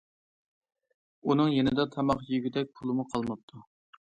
ئۇنىڭ يېنىدا تاماق يېگۈدەك پۇلىمۇ قالماپتۇ.